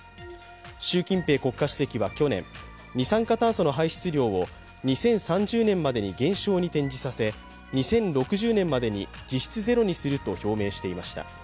習近平国家主席は去年二酸化炭素の排出量を２０３０年までに減少に転じさせ、２０６０年までに実質ゼロにすると表明していました。